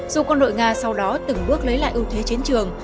dù quân đội nga sau đó từng bước lấy lại ưu thế chiến trường